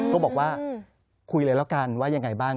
ก็บอกว่าคุยเลยแล้วกันว่ายังไงบ้าง